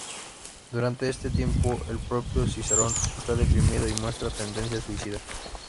Durante este tiempo, el propio Cicerón está deprimido y muestra tendencias suicidas.